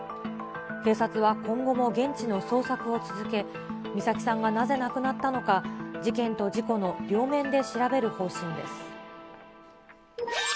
警察は今後も現地の捜索を続け、美咲さんがなぜ亡くなったのか、事件と事故の両面で調べる方針です。